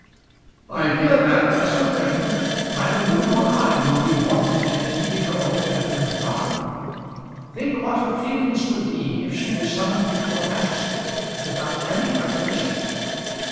"I fear that, as her friend, neither you nor I will be warranted in keeping her altogether in the dark. Think what her feelings would be if she were summoned before a magistrate without any preparation!"